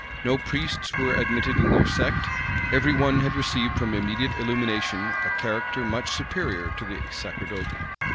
No priests were admitted in their sect: every one had received from immediate illumination a character much superior to the sacerdotal.